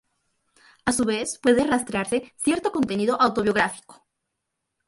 A su vez, puede rastrearse cierto contenido autobiográfico.